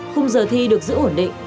khung giờ thi được giữ ổn định